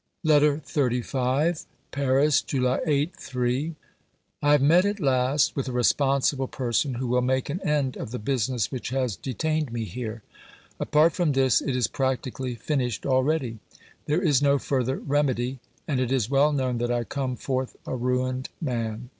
LETTER XXXV Paris, A/y 8 (III). I have met at last with a responsible person who will make an end of the business which has detained me here. Apart from this, it is practically finished already. There is no further remedy, and it is well known that I come forth a ruined man.